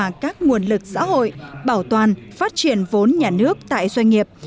và các nguồn lực xã hội bảo toàn phát triển vốn nhà nước tại doanh nghiệp